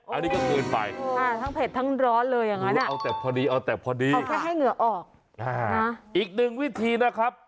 อันนี้ก็เกินไปทั้งเผ็ดทั้งร้อนเลยอย่างนั้นเอาแค่ให้เหงื่อออกอีกหนึ่งวิธีนะครับ